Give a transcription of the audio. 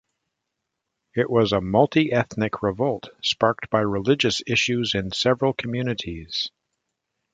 It was a multiethnic revolt sparked by religious issues in several communities.